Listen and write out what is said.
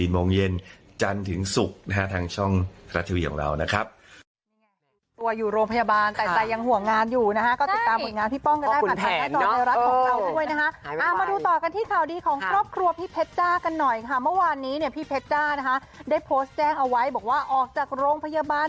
โมงเย็นจันทร์ถึงศุกร์นะฮะทางช่องทรัฐทีวีของเรานะครับ